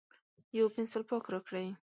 یو پینسیلپاک راکړئ